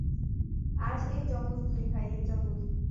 আজ এই জমজ দুই ভাইয়ের জন্মদিন।